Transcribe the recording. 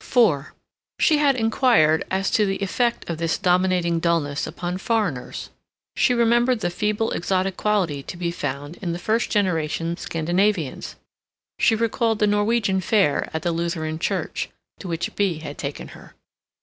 IV She had inquired as to the effect of this dominating dullness upon foreigners. She remembered the feeble exotic quality to be found in the first generation Scandinavians; she recalled the Norwegian Fair at the Lutheran Church, to which Bea had taken her.